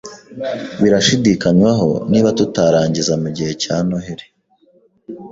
Birashidikanywaho niba tuzarangiza mugihe cya Noheri